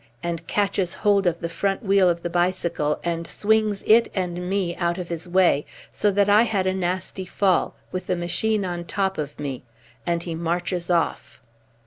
and catches hold of the front wheel of the bicycle and swings it and me out of his way so that I had a nasty fall, with the machine on top of me, and he marches off.